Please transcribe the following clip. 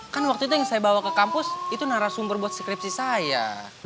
kan waktu itu yang saya bawa ke kampus itu narasumber buat skripsi saya